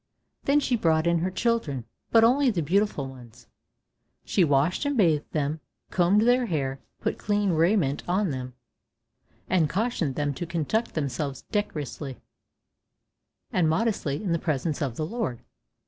Then she brought in her children, but only the beautiful ones. She washed and bathed them, combed their hair, put clean raiment on them, and cautioned them to conduct themselves decorously and modestly in the presence of the Lord.